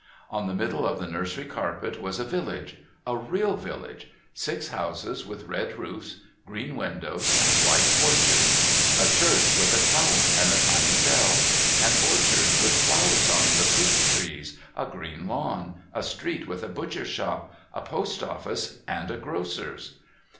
On the middle of the nursery carpet was a village, a real village, six houses with red roofs, green windows and white porches, a church with a tower and a tiny bell, an orchard with flowers on the fruit trees, a green lawn, a street with a butcher's shop, a post office, and a grocer's.